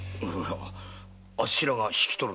あっしらが引き取るんですか？